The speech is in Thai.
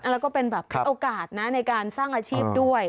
แล้วก็เป็นแบบโอกาสนะในการสร้างอาชีพด้วย